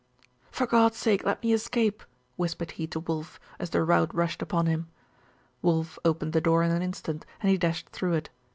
'For God's sake let me escape!' whispered he to Wulf, as the rout rushed upon him. Wulf opened the door in an instant, and he dashed through it.